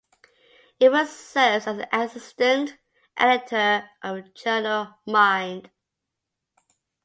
Efird serves as an assistant editor of the journal "Mind".